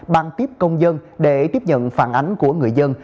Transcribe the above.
bằng tiếp công dân để tiếp nhận phản ánh của người dân